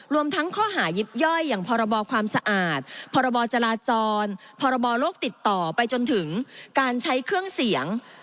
รวมทั้งข้อหายิบย่อยอย่างพรบความสะอาดพรบจราจรพรบโลกติดต่อไปจนถึงการใช้เครื่องเสียง